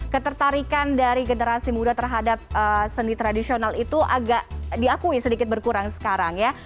ketertarikan dari generasi muda terhadap seni tradisional itu agak diakui sedikit berkurang sekarang ya